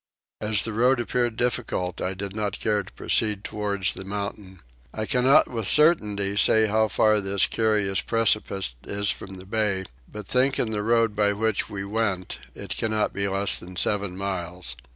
As the road appeared difficult I did not care to proceed towards the mountain. I cannot with certainty say how far this curious precipice is from the bay, but think in the road by which we went it cannot be less than seven miles.